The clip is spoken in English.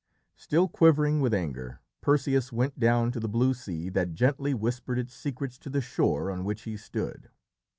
Still quivering with anger, Perseus went down to the blue sea that gently whispered its secrets to the shore on which he stood.